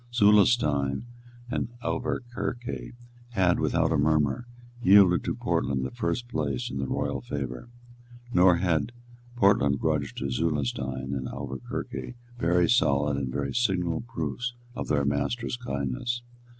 Zulestein and Auverquerque had, without a murmur, yielded to Portland the first place in the royal favour; nor had Portland grudged to Zulestein and Auverquerque very solid and very signal proofs of their master's kindness.